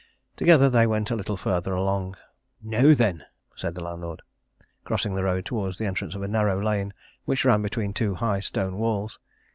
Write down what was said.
Together they went a little further along. "Now then!" said the landlord, crossing the road towards the entrance of a narrow lane which ran between two high stone walls.